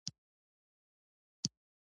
دا انزایم په فعال پیپسین انزایم بدلېږي.